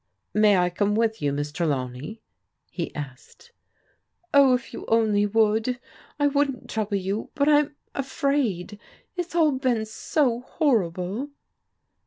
" May I come with you, Miss Trelawney? " he asked. " Oh, if you only would ! I wouldn't trouble you — but I'm afraid !— it's all been so horrible